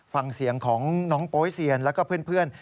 ฟังเสียงของน้องโป๊ยเซียนแล้วก็เพื่อน